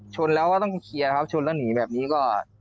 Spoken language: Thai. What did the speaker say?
ชนแล้วก็ต้องเคลียร์นะครับชนแล้วหนีแบบนี้ก็